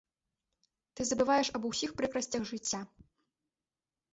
Ты забываеш аб усіх прыкрасцях жыцця.